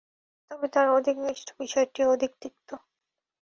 তবে তার অধিক মিষ্ট বিষয়টি অধিক তিক্ত।